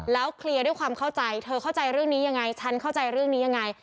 เคลียร์ด้วยความเข้าใจเธอเข้าใจเรื่องนี้ยังไงฉันเข้าใจเรื่องนี้ยังไง